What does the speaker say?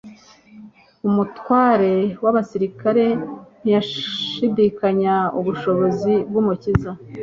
Umutware w'abasirikare ntiyashidikanyaga ubushobozi bw'Umukiza.